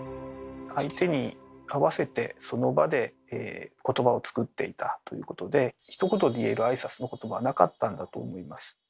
相手に合わせてその場でことばを作っていたということでひと言で言える挨拶のことばはなかったんだと思います。